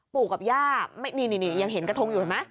ปู่กับย่านี่ยังเห็นกระทงอยู่เห็นไหม